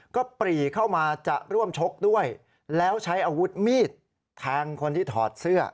ก็ปรีเข้ามาจะร่วมชกด้วยแล้วใช้อาวุธมีดแทงคนที่ถอดเสื้อ